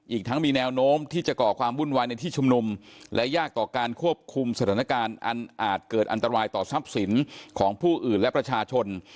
อีกทั้งมีแนวโน้มที่จะก่อความวุ่นวายในที่ชุมนุมและยากต่อการควบคุมสถานการณ์อันอาจเกิดอันตรายต่อทรัพย์สินของผู้อื่นและประชาชน